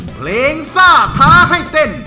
เพลงซ่าท้าให้เต้น